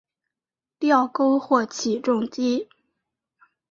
吊钩或起重机。